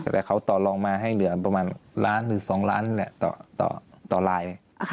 แต่เขาต่อลองมาให้เหลือประมาณล้านหรือ๒ล้านต่อลาย